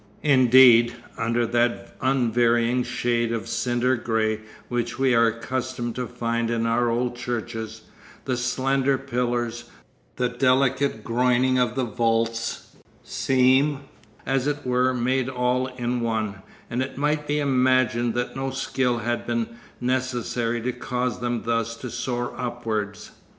Indeed, under that unvarying shade of cinder grey which we are accustomed to find in our old churches, the slender pillars, the delicate groining of the vaults, seem, as it were, made all in one, and it might be imagined that no skill had been necessary to cause them thus to soar upwards.